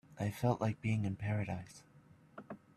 I felt like being in paradise.